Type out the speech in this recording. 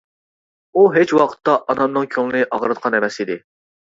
ئۇ ھېچ ۋاقىتتا ئانامنىڭ كۆڭلىنى ئاغرىتقان ئەمەس ئىدى.